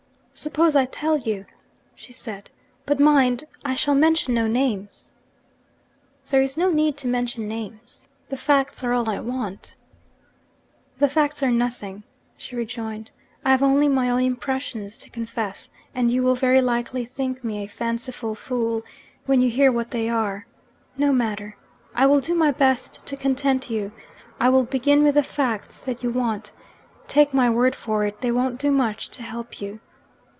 'Suppose I tell you?' she said. 'But, mind, I shall mention no names!' 'There is no need to mention names. The facts are all I want.' 'The facts are nothing,' she rejoined. 'I have only my own impressions to confess and you will very likely think me a fanciful fool when you hear what they are. No matter. I will do my best to content you I will begin with the facts that you want. Take my word for it, they won't do much to help you.'